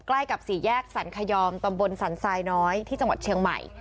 ใกล้กับสี่แยกสรรคยอมตำบลสันทรายน้อยที่จังหวัดเชียงใหม่